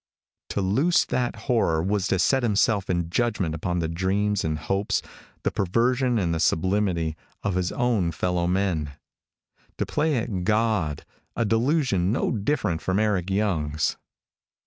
To loose that horror was to set himself in judgment upon the dreams and hopes, the perversion and the sublimity, of his fellow men. To play at God a delusion no different from Eric Young's.